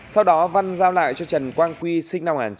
sau đó văn giao lại tài khoản ixxx với hạn mức một điểm từ đô chưa rõ lai lịch